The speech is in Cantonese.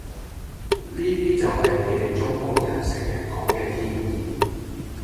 呢啲就係你地中國人成日講嘅天意